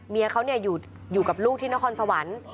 เมียเขาอยู่กับลูกที่นครสวรรค์